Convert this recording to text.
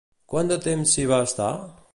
Quant de temps s'hi va estar?